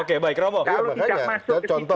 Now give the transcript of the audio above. kalau tidak masuk ke situ